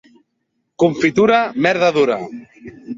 Confitura, merda dura.